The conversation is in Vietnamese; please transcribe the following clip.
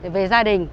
về gia đình